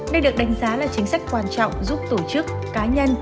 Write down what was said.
đây được đánh giá là chính sách quan trọng giúp tổ chức cá nhân